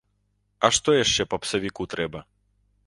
А што яшчэ папсавіку трэба?